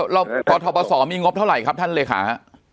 แล้วกทปศมีงบเท่าไหร่ครับท่านเลขาฮะ